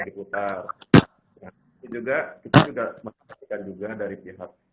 diputar ini juga kita sudah memerhatikan juga dari pihak